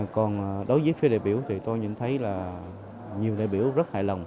còn đối với phía đại biểu thì tôi nhận thấy là nhiều đại biểu rất hài lòng